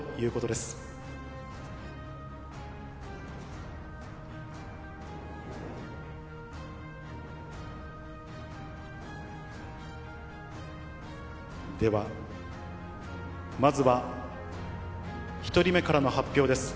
では、まずは１人目からの発表です。